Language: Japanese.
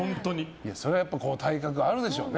それは体格があるでしょうね。